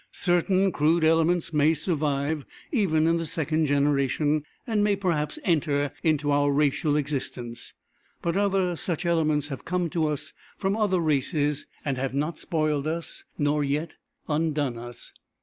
Certain crude elements may survive, even in the second generation, and may perhaps enter into our racial existence, but other such elements have come to us from other races, and have not spoiled us nor yet undone us.